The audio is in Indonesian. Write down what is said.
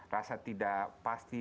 rasa tidak pasti